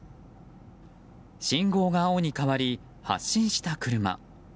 信号が青に変わり発進した車。